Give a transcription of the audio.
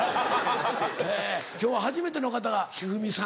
え今日は初めての方が一二三さん。